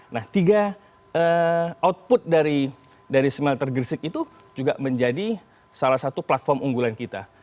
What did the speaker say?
nah tiga output dari smelter gresik itu juga menjadi salah satu platform unggulan kita